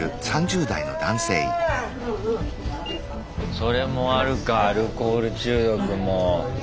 それもあるかアルコール中毒も。